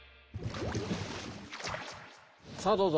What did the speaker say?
さあどうぞ。